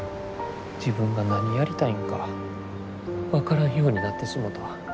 自分が何やりたいんか分からんようになってしもた。